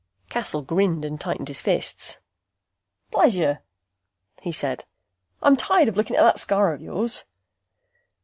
Cassel grinned and tightened his fists. "Pleasure," he said. "I'm tired of looking at that scar of yours."